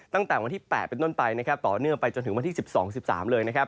ตั้งแต่วันที่๘เป็นต้นไปนะครับต่อเนื่องไปจนถึงวันที่๑๒๑๓เลยนะครับ